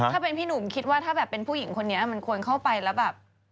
ถ้าเป็นพี่หนุ่มคิดว่าถ้าแบบเป็นผู้หญิงคนนี้มันควรเข้าไปแล้วแบบ